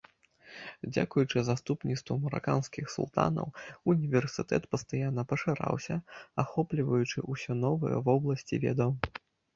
Дзякуючы заступніцтву мараканскіх султанаў універсітэт пастаянна пашыраўся, ахопліваючы ўсе новыя вобласці ведаў.